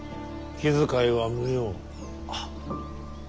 気遣いは無用。